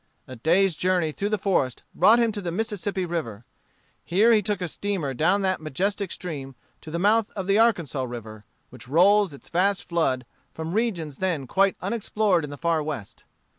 A days' journey through the forest brought him to the Mississippi River. Here he took a steamer down that majestic stream to the mouth of the Arkansas River, which rolls its vast flood from regions then quite unexplored in the far West.